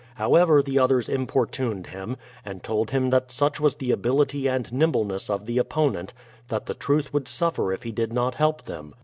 However the others importuned him, and told him that such was the ability and nimbleness of the opponent, that the truth would suffer if he did not help them.